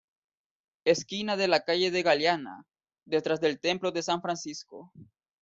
Esquina de la calle de Galeana, detrás del templo de San Francisco.